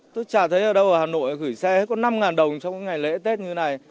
tôi chả thấy ở đâu ở hà nội gửi xe có năm đồng trong ngày lễ tết như này